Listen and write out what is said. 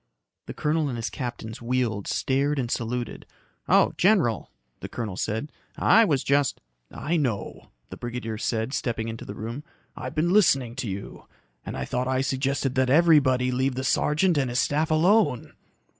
The colonel and his captains wheeled, stared and saluted. "Oh, general," the colonel said. "I was just " "I know," the brigadier said, stepping into the room. "I've been listening to you. And I thought I suggested that everybody leave the sergeant and his staff alone."